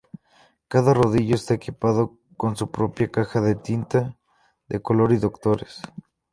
Cada rodillo está equipado con su propia caja de tinta de color y "doctores".